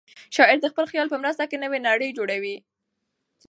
شاعر د خپل خیال په مرسته نوې نړۍ جوړوي.